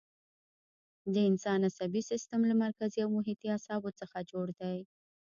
د انسان عصبي سیستم له مرکزي او محیطي اعصابو څخه جوړ دی.